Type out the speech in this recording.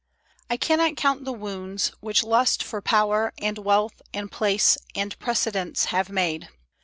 I cannot count the wounds which lust for power, And wealth, and place, and precedence have made.